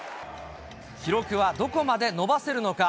記録はどこまで伸ばせるのか。